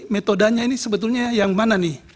metodenya ini sebetulnya yang mana nih